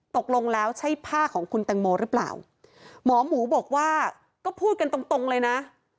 ตกลงแล้วใช่ผ้าของคุณแตงโมหรือเปล่าหมอหมูบอกว่าก็พูดกันตรงตรงเลยนะ